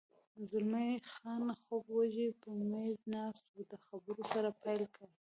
زلمی خان خوب وږی پر مېز ناست و، د خبرو سر پیل کړ.